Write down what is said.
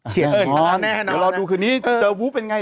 เชียร์นอนเดี๋ยวเราดูคืนนี้เจอฟูเป็นไง